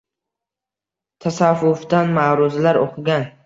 Tasavvufdan ma’ruzalar o‘qigan.